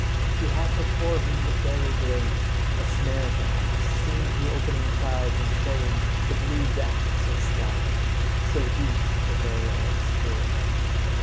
He had before him the fairy glade, a snare perhaps, seen through opening clouds, and showing the blue depths of sky; so deep, that they are obscure.